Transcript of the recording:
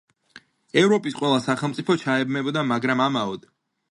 ევროპის ყველა სახელმწიფო ჩაებმებოდა, მაგრამ ამაოდ.